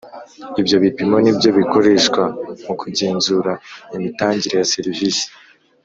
Ibyo bipimo nibyo bikoreshwa mu kugenzura imitangire ya serivisi